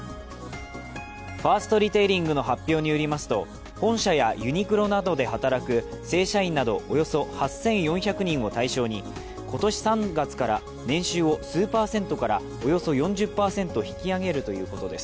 ファーストリテイリングの発表によりますと、本社やユニクロなどで働く正社員などおよそ８４００人を対象に今年３月から年収を数パーセントからおよそ４０％引き上げるということです。